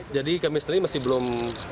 jadi kami sendiri masih belum